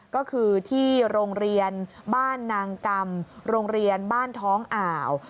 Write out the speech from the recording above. ก็คือที่โรงเรียนบ้านนางกรรมโรงเรียนบ้านท้องอ่าว